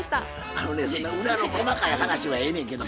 あのねそんな裏の細かい話はええねんけど。